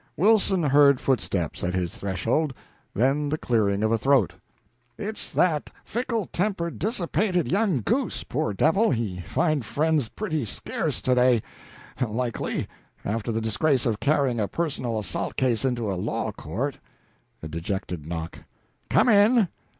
Wilson heard footsteps at his threshold, then the clearing of a throat. "It's that fickle tempered, dissipated young goose poor devil, he find friends pretty scarce to day, likely, after the disgrace of carrying a personal assault case into a law court." A dejected knock. "Come in!"